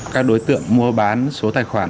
các đối tượng mua bán số tài khoản